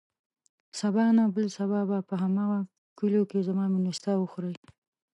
سبا نه، بل سبا به په هماغه کليو کې زما مېلمستيا وخورې.